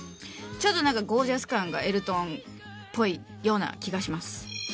ちょっとなんかゴージャス感がエルトンっぽいような気がします。